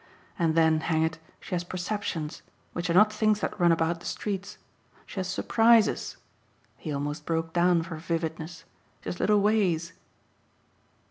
And then, hang it, she has perceptions which are not things that run about the streets. She has surprises." He almost broke down for vividness. "She has little ways."